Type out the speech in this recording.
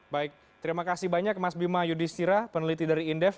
baik terima kasih banyak mas bima yudhistira peneliti dari indef